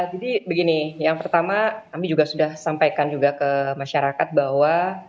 jadi begini yang pertama kami juga sudah sampaikan juga ke masyarakat bahwa